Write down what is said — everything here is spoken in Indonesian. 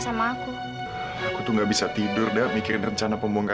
saya harus bicara dengan aida